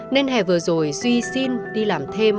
nên hè vừa rồi duy xin đi làm thêm